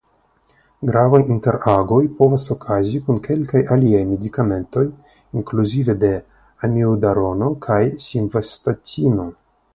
Gravaj interagoj povas okazi kun kelkaj aliaj medikamentoj inkluzive de Amiodarono kaj Simvastatino.